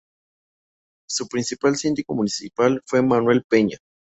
Su principal síndico Municipal fue Manuel Peña.